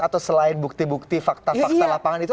ada faktor x atau selain bukti bukti fakta fakta lapangan itu